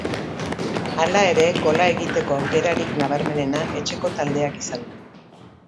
Hala ere, gola egiko aukerarik nabarmenena etxeko taldeak izan du.